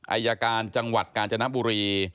อายการจังหวัดกาญจนบุรี